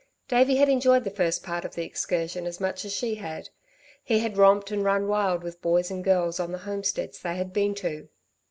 Davey had enjoyed the first part of the excursion as much as she had. He had romped and run wild with boys and girls on the homesteads they had been to.